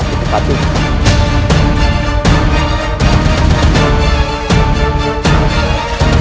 apa yang dilakukan